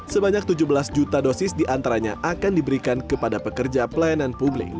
sebanyak tujuh belas juta dosis diantaranya akan diberikan kepada pekerjaan